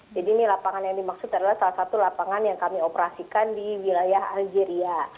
jadi ini lapangan yang dimaksud adalah salah satu lapangan yang kami operasikan di wilayah algeria